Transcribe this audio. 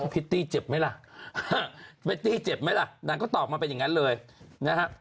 พิตตี้เจ็บไหมล่ะพริตตี้เจ็บไหมล่ะนางก็ตอบมาเป็นอย่างนั้นเลยนะฮะ